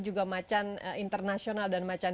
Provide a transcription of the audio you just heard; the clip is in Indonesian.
juga macan internasional dan macan